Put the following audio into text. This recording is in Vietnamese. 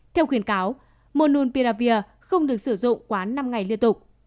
theo khuyến cáo mononpiravir không được sử dụng quá năm ngày liên tục